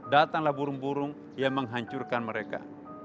datanglah burung burung yang menghancurkan mereka